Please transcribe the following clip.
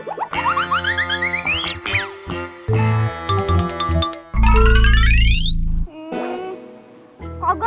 enggak ada bingungan